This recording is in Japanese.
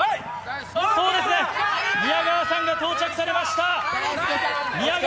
そうですね、宮川さんが到着されました。